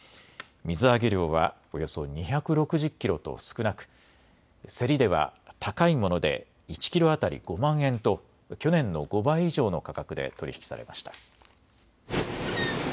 水揚げ量はおよそ２６０キロと少なく競りでは高いもので１キロ当たり５万円と去年の５倍以上の価格で取り引きされました。